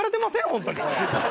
ホントに。